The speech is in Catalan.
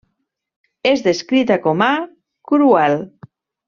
És descrita com a cruel.